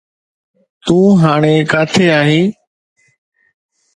تون هاڻي ڪاٿي آهين؟